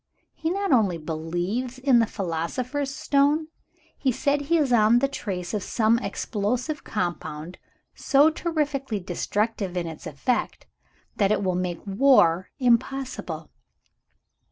He not only believes in The Philosopher's Stone; he says he is on the trace of some explosive compound so terrifically destructive in its effect, that it will make war impossible.